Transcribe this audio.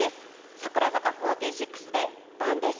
櫻坂４６で「ＢＡＮ」です。